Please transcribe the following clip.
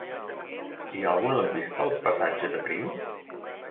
Hi ha algun lampista al passatge de Prim?